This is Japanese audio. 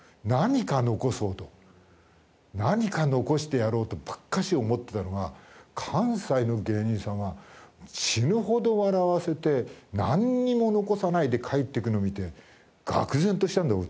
何か残してやろうとばっかし思ってたのが関西の芸人さんは死ぬほど笑わせてなんにも残さないで帰って行くの見て愕然としたんだよ